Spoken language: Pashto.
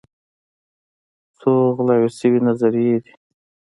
څو غلا شوي نظريې دي